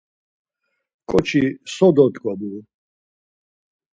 Ǩoçi so dot̆ǩobu?